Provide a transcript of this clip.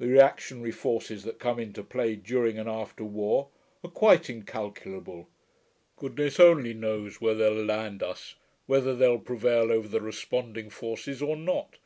The reactionary forces that come into play during and after war are quite incalculable. Goodness only knows where they'll land us ... whether they'll prevail over the responding forces or not.